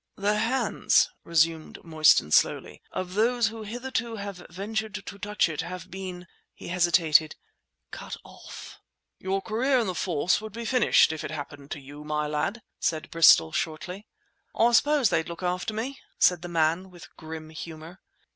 "The hands," resumed Mostyn slowly, "of those who hitherto have ventured to touch it have been"—he hesitated—"cut off." "Your career in the Force would be finished if it happened to you, my lad," said Bristol shortly. "I suppose they'd look after me," said the man, with grim humour.